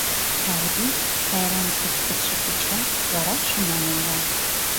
Каврий Тайрам кид гычше куча, вара шыман ойла: